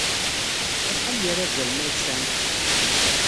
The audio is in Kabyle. Acḥal n yirazalen ay tesɛamt?